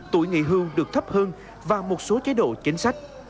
tuổi nghị hương được thấp hơn và một số chế độ chính sách